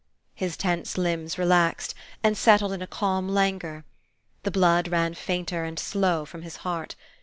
His tense limbs relaxed, and settled in a calm languor. The blood ran fainter and slow from his heart.